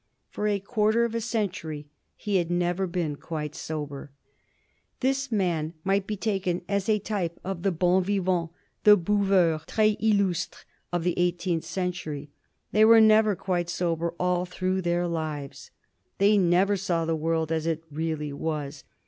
For a quarter of a century he had never been quite sober. This man might be taken as a type of the bons vivants, the buveurs très illustres of the eighteenth century. They were never quite sober all through their lives. They never saw the world as it really was.